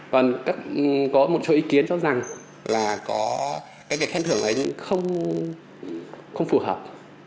còn có một số ý kiến cho rằng là có cái việc khen thưởng ấy không phù hợp